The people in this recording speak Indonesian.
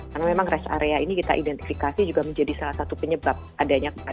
karena memang rest area ini kita identifikasi juga menjadi salah satu hal yang kita lakukan